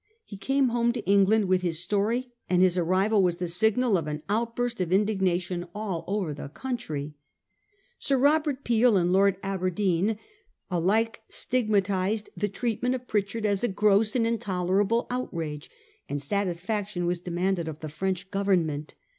He came home to England with his story ; and his arrival was the signal for an outburst of indignation all over the country. Sir Kobert Peel and Lord Aberdeen alike stigmatised the treatment 1842 4 . THE ASHBURTON TREATY. 315 of Pritchard as a gross and intolerable outrage ; and satisfaction ms demanded of the French Government.